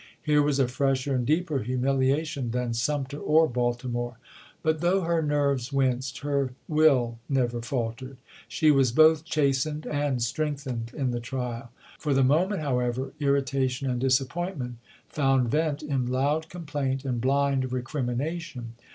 Here was a fresher and deeper humiliation than Sumter or Baltimore. But though her nerves winced, her will never faltered. She was both chastened and strengthened in the trial. For the moment, how ever, irritation and disappointment found vent in loud complaint and blind recrimination.